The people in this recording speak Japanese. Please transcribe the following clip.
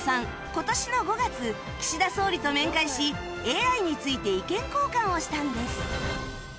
今年の５月岸田総理と面会し ＡＩ について意見交換をしたんです